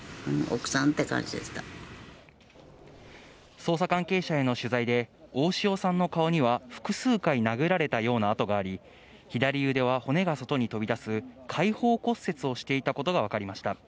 捜査関係者への取材で、大塩さんの顔には複数回殴られたような跡があり、左腕は骨が外に飛び出す開放骨折をしていたことがわかりました。